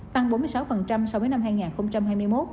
tăng bốn mươi sáu so với cùng kỳ năm hai nghìn hai mươi một